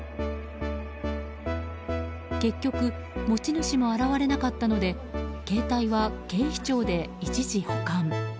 結局、持ち主も現れなかったので携帯は警視庁で一時保管。